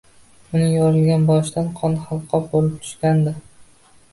Uning yorilgan boshidan qon halqob bo`lib tushgandi